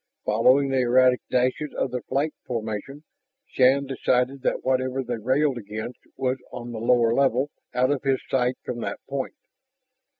Following the erratic dashes of their flight formation, Shann decided that whatever they railed against was on the lower level, out of his sight from that point.